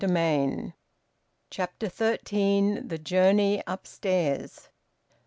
VOLUME THREE, CHAPTER THIRTEEN. THE JOURNEY UPSTAIRS.